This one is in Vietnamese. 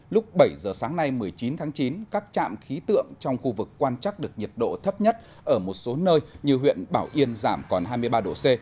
lúc bảy giờ sáng nay một mươi chín tháng chín các trạm khí tượng trong khu vực quan trắc được nhiệt độ thấp nhất ở một số nơi như huyện bảo yên giảm còn hai mươi ba độ c